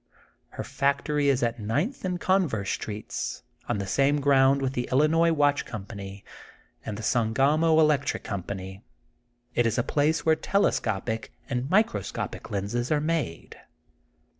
Her factory is at Ninth and Converse Streets, on the same ground with The Illinois Watch Company and The Sangamo Electric Company. It is a place where telescopic and microscopic lenses are made.